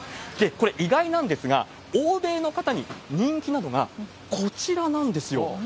これ、意外なんですが、欧米の方に人気なのが、こちらなんですよ。